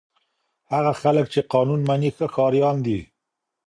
هغه خلک چې قانون مني ښه ښاریان دي.